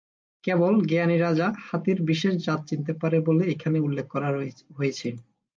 কেবল জ্ঞানী রাজা হাতির বিশেষ জাত চিনতে পারে বলে এখানে উল্লেখ করা হয়েছে।